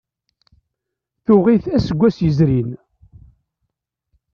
Tuɣ-it aseggas yezrin.